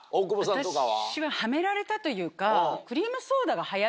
私はハメられたというか。